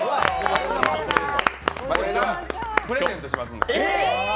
プレゼントしますんで。